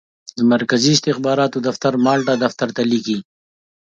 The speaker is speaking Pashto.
د مرکزي استخباراتو دفتر مالټا دفتر ته لیکي.